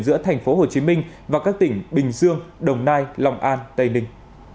giữa thành phố hồ chí minh và các tỉnh bình dương đồng nai long an tây ninh